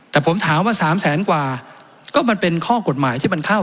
แต่ผมถามว่า๓แสนกว่าก็มันเป็นข้อกฎหมายที่มันเข้า